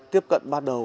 tiếp cận bắt đầu